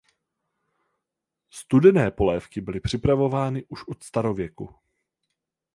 Studené polévky byly připravovány už od starověku.